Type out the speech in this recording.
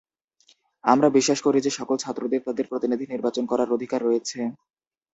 আমরা বিশ্বাস করি যে সকল ছাত্রদের তাদের প্রতিনিধি নির্বাচন করার অধিকার রয়েছে।